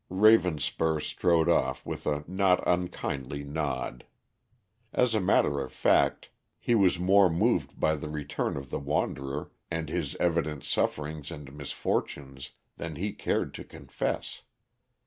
Ravenspur strode off with a not unkindly nod. As a matter of fact, he was more moved by the return of the wanderer and his evident sufferings and misfortunes than he cared to confess.